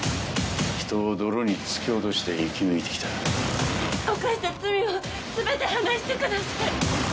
人を泥に突き落として生き抜いてきた犯した罪を全て話してください！